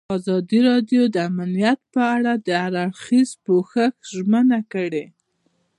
ازادي راډیو د امنیت په اړه د هر اړخیز پوښښ ژمنه کړې.